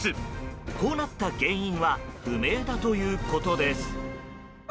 こうなった原因は不明だということです。